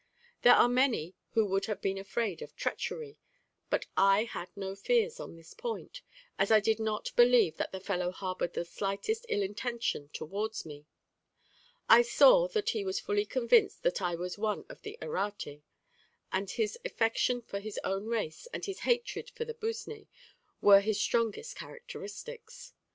There are many who would have been afraid of treachery, but I had no fears on this point, as I did not believe that the fellow harbored the slightest ill intention towards me; I saw that he was fully convinced that I was one of the Errate, and his affection for his own race, and his hatred for the Busné, were his strongest characteristics.